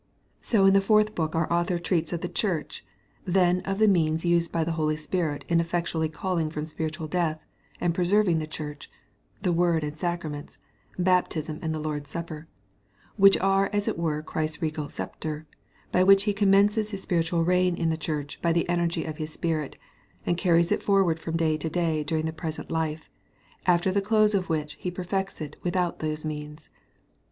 So in the fourth book our Author treats of the Church then of the means used by the Holy Spirit in effectually calling from spiritual death, and preserving the church the word and sacraments baptism and the Lord's supper which are as it were Christ's regal sceptre, by which he commences his spiritual reign in the Church by the energy of his Spirit, and carries it forwards from day to day during the present life, after the close of which he perfects it without those means.